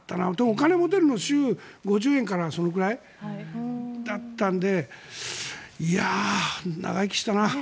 お金を持てるの、週５０円からそのくらいだったんで長生きしたな。